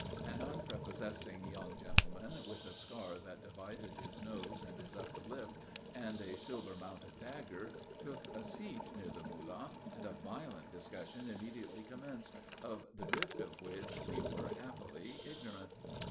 An unprepossessing young gentleman, with a scar that divided his nose and his upper lip, and a silver mounted dagger, took a seat near the Mullah, and a violent discussion immediately commenced, of the drift of which, we were, happily, ignorant.